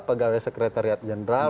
pegawai sekretariat jenderal